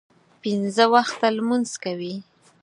پنځه وخته لمونځ کوي.